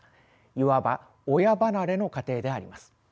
いわば親離れの過程であります。